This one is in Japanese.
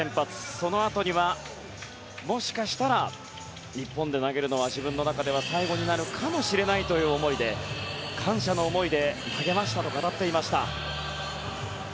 そのあとには日本で投げるのは自分の中では最後になるかもしれないという思いで感謝の思いで投げましたと語っていました。